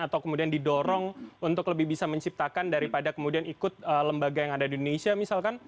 atau kemudian didorong untuk lebih bisa menciptakan daripada kemudian ikut lembaga yang ada di indonesia misalkan